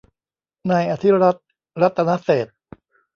นายอธิรัฐ รัตนเศรษฐ